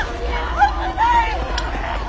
危ない！